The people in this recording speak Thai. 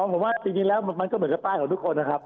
ผมว่าจริงแล้วมันก็เหมือนกับป้ายของทุกคนนะครับ